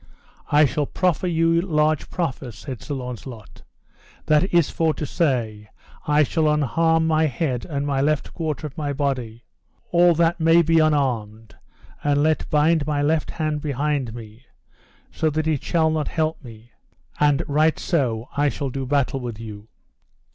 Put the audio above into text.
I shall proffer you large proffers, said Sir Launcelot, that is for to say, I shall unarm my head and my left quarter of my body, all that may be unarmed, and let bind my left hand behind me, so that it shall not help me, and right so I shall do battle with you.